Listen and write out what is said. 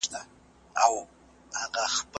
هغه د اوبو په څښلو بوخت دی.